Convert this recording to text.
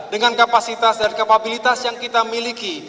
dengan kapasitas dan kapabilitas yang kita miliki